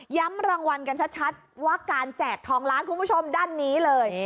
รางวัลกันชัดว่าการแจกทองล้านคุณผู้ชมด้านนี้เลย